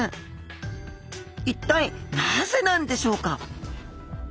一体なぜなんでしょうか？